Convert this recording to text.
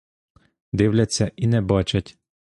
Дивляться і не бачать.